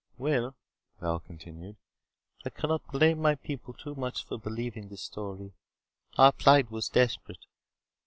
"Well," Val continued, "I cannot blame my people too much for believing this story. Our plight was desperate.